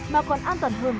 mà còn an toàn hơn